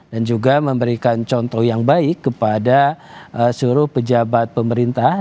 dan juga memberikan contoh yang baik kepada seluruh pejabat pemerintah